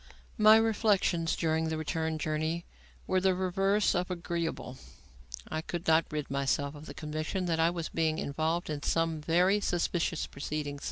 My reflections during the return journey were the reverse of agreeable. I could not rid myself of the conviction that I was being involved in some very suspicious proceedings.